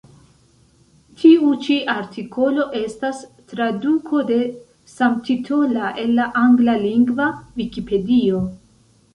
Tiu ĉi artikolo estas traduko de samtitola el la anglalingva Vikipedio.